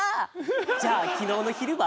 じゃあ昨日の昼は？